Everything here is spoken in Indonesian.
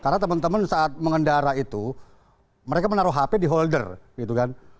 karena teman teman saat mengendara itu mereka menaruh hp di holder gitu kan